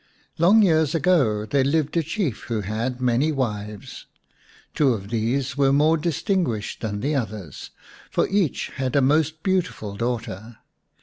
Long years ago there lived a Chief who had many wives. Two of these were more dis tinguished than the others, for each had a most beautiful daughter.